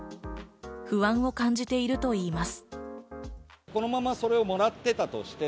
不安を感じているといいます。